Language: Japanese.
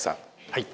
はい。